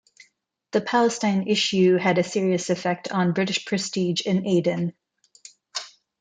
The Palestine issue had a serious effect on British prestige in Aden.